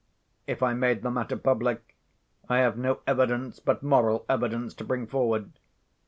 If I made the matter public, I have no evidence but moral evidence to bring forward.